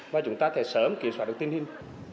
và chúng ta sẽ sớm kiểm soát được tình hình